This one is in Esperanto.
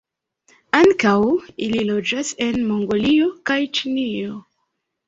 Ankaŭ ili loĝas en Mongolio kaj Ĉinio.